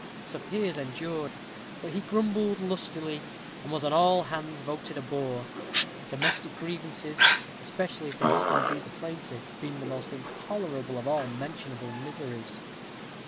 Sir Piers endured, but he grumbled lustily, and was on all hands voted a bore; domestic grievances, especially if the husband be the plaintiff, being the most intolerable of all mentionable miseries.